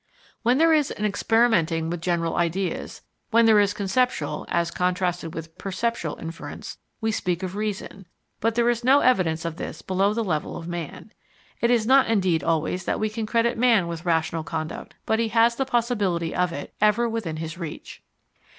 When there is an experimenting with general ideas, when there is conceptual as contrasted with perceptual inference, we speak of Reason, but there is no evidence of this below the level of man. It is not, indeed, always that we can credit man with rational conduct, but he has the possibility of it ever within his reach.